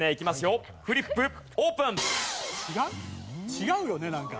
違うよねなんか。